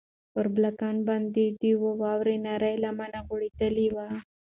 پر بالکن باندې د واورې نرۍ لمنه غوړېدلې وه.